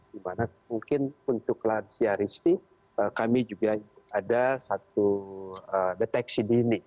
dimana mungkin untuk lansia risti kami juga ada satu deteksi dini